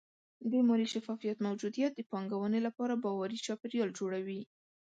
د مالي شفافیت موجودیت د پانګونې لپاره باوري چاپېریال جوړوي.